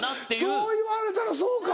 そう言われたらそうか！